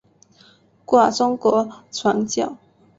赴中国传教。